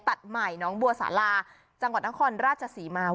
ตัดใหม่น้องบัวสาลาจังหวัดนครราชศรีมา